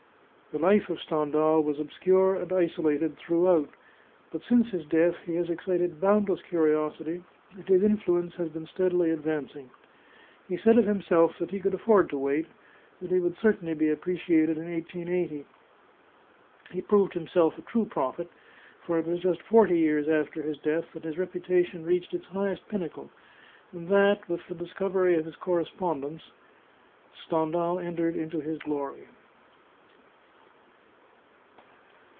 The life of Stendhal was obscure and isolated through out; but since his death he has excited boundless curios ity, and his influence has been steadily advancing. He said of himself that he could afford to wait, that he would certainly be appreciated in 1880. He proved himself a true prophet, for it was just forty years after his death that his reputation reached its highest pinnacle, and that, with the discovery of his Correspondence, Stendhal entered into his glory.